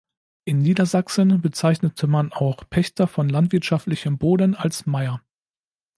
In Niedersachsen bezeichnete man auch Pächter von landwirtschaftlichem Boden als Meier.